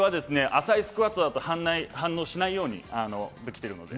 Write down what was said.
浅いスクワットだと反応しないようにできているので。